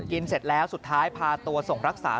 เสร็จแล้วสุดท้ายพาตัวส่งรักษา